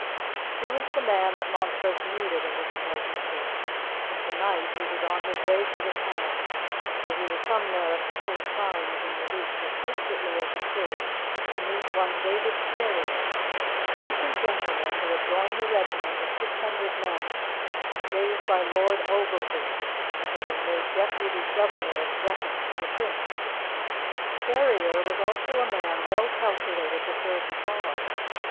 He was the man that Montrose needed in this emergency, and to night he was on his way to the town; for he would come there a couple of times in the week, as secretly as he could, to meet one David Ferrier, a country gentleman who had joined the regiment of six hundred men raised by Lord Ogilvie, and had been made deputy governor of Brechin for the Prince. Ferrier also was a man well calculated to serve the cause.